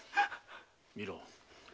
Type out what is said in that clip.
見ろ